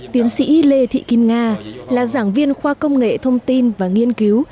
tiến sĩ lê thị kim nga là giảng viên khoa công nghệ thông tin và nghiên cứu